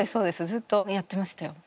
ずっとやってましたよ。